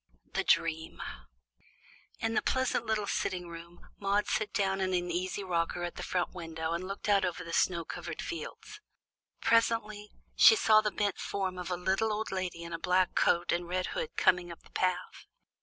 THE DREAM In the pleasant little sitting room Maude sat down in an easy rocker at the front window and looked out over the snow covered fields. Presently she saw the bent form of a little old lady in a black coat and red hood coming up the path.